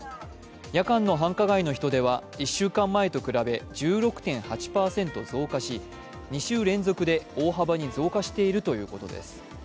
夜間の繁華街の人出は１週間前と比べ１６．８％増加し２週連続で大幅に増加しているということです。